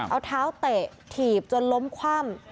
เอาเท้าเตะถีบจนล้มคว่ำ